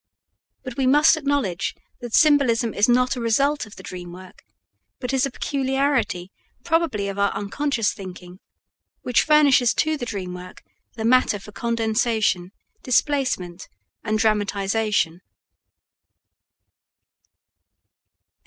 But we must acknowledge that symbolism is not a result of the dream work, but is a peculiarity probably of our unconscious thinking, which furnishes to the dream work the matter for condensation, displacement, and dramatization.